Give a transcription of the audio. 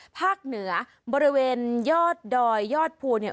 ภาคเหนือบริเวณยอดดอยยอดภูเนี่ย